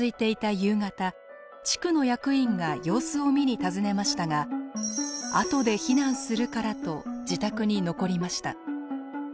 夕方地区の役員が様子を見に訪ねましたが「あとで避難するから」と自宅に残りました。